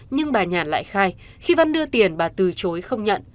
nhưng bà nhàn lại khai khi văn đưa tiền bà từ chối không nhận